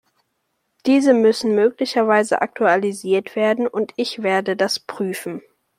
Diese müssen möglicherweise aktualisiert werden, und ich werde das prüfen.